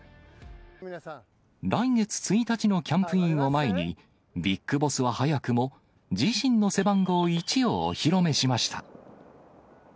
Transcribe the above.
来月１日のキャンプインを前に、ビッグボスは早くも、自身の背番号１をお披露目しました。